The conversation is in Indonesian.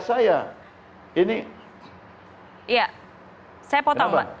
kemudian ketiga saya